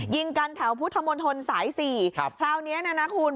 ยิงกันแถวพุทธมณฑลสายสี่คราวนี้นะคุณ